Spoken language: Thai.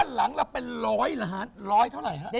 หลังเราเป็น๑๐๐ล้านบาท